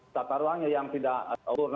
sampah ruangnya yang tidak